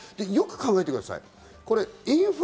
よく考えてください。